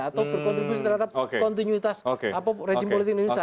atau berkontribusi terhadap kontinuitas apa regimen politik di indonesia